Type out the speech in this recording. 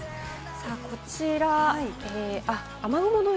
こちら雨雲の。